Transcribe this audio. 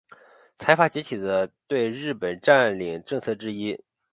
财阀解体的对日本占领政策之一。